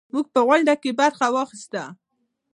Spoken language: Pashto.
موږ په غونډه کې برخه واخیسته.